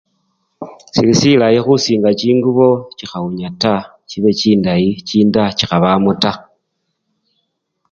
Sili silayi khusinga chingubo chikhawunya taa chibe chindayi ate chinda chikhabamo taa.